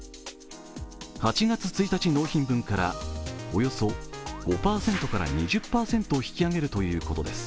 ８月１日納品分からおよそ５％から２０％引き上げるということです。